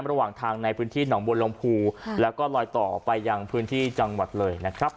ระหว่างทางในพื้นที่หนองบวนลมภูแล้วก็ลอยต่อไปยังพื้นที่จังหวัดเลยนะครับ